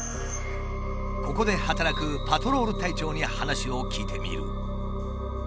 ここで働くパトロール隊長に話を聞いてみる。